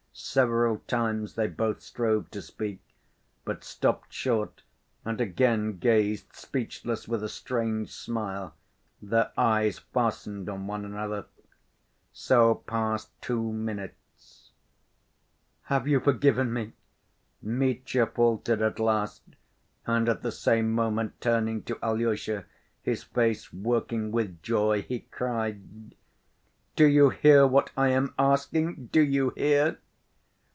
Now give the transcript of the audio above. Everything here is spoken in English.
Several times they both strove to speak, but stopped short and again gazed speechless with a strange smile, their eyes fastened on one another. So passed two minutes. "Have you forgiven me?" Mitya faltered at last, and at the same moment turning to Alyosha, his face working with joy, he cried, "Do you hear what I am asking, do you hear?"